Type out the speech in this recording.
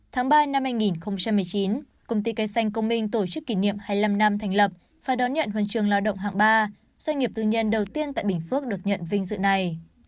tháng ba năm hai nghìn một mươi chín công ty cây xanh công minh tổ chức kỷ niệm hai mươi năm năm thành lập và đón nhận huân trường lao động hạng ba doanh nghiệp tư nhân đầu tiên tại bình phước được nhận vinh dự này